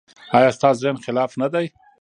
ایا ستاسو ذهن خلاق نه دی؟